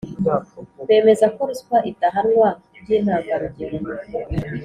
Bemeza ko ruswa idahanwa by intangarugero